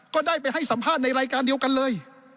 ก็ได้ไปให้สัมภาษณ์ในรายการเดียวกันเลย